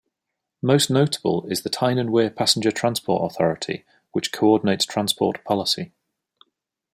Most notable is the Tyne and Wear Passenger Transport Authority, which co-ordinates transport policy.